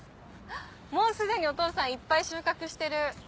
もうすでにお父さんいっぱい収穫してる。